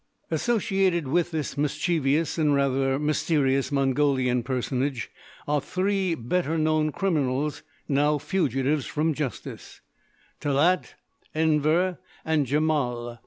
Associated with this mischievous and rather mysterious Mongolian personage are three better known criminals, now fugitives from justice—Talaat, Enver, and Djemal.